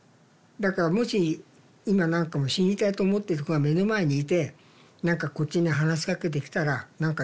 だからもし今何か死にたいと思ってる子が目の前にいて何かこっちに話しかけてきたら何か言うことはあると思うけどね。